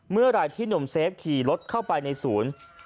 เมื่อไหร่ที่หนุ่มเซฟขี่รถเข้าไปในศูนย์